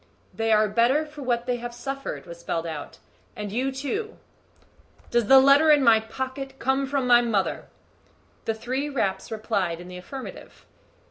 "They are better for what they have suffered," was spelled out; "and you too." "Does the letter in my pocket come from my mother?" The three raps replied in the affirmative.